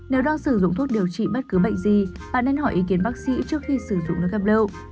nếu đang sử dụng thuốc điều trị bất cứ bệnh gì bạn nên hỏi ý kiến bác sĩ trước khi sử dụng nước gặp đâu